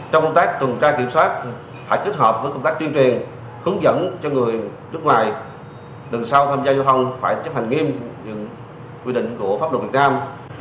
trong công tác tuần tra kiểm soát phải kết hợp với công tác tuyên truyền hướng dẫn cho người nước ngoài từ sau tham gia giao thông phải chấp hành nghiêm những quy định của pháp luật việt nam